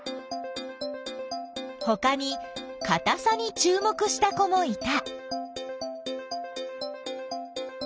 ほかにかたさにちゅう目した子もいた。